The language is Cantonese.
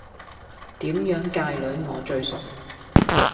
點樣界女我最熟